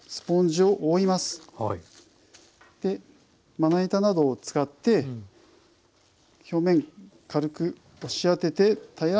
まな板などを使って表面軽く押し当てて平らにしていきます。